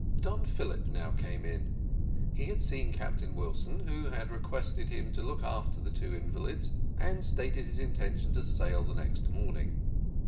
Don Philip now came in. He had seen Captain Wilson, who had requested him to look after the two invalids, and stated his intention to sail the next morning.